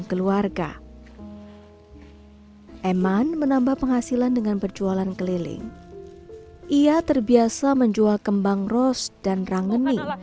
eman terbiasa menjual kembang ros dan rangeni